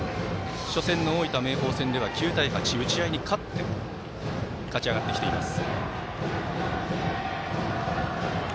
初戦の大分、明豊戦では９対１打ち合いに勝って勝ち上がってきています。